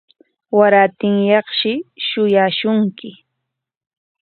Warantinyaqshi shuyaashunki.